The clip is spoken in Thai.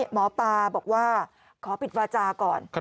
หมอปลาบอกว่าขอปิดวาจาก่อน